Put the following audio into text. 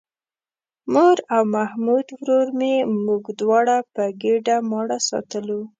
مور او محمود ورور مې موږ دواړه په ګېډه ماړه ساتلو.